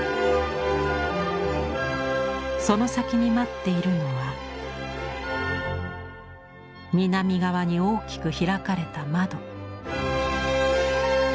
その先に待っているのは南側に大きく開かれた窓。